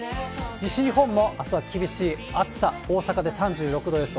西日本もあすは厳しい暑さ、大阪で３６度予想。